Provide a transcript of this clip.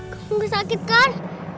kamu gak sakit kan